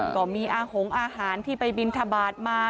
ก็มีอาหงอาหารที่ไปบินทบาทมา